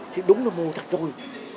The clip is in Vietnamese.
thì đúng là mù thật rồi